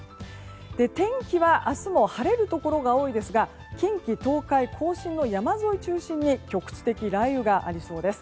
天気は明日も晴れるところが多いですが近畿・東海・甲信の山沿いを中心に局地的雷雨がありそうです。